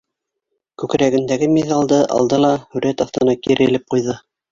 Күкрәгендәге миҙалды алды ла һүрәт аҫтына кире элеп ҡуйҙы.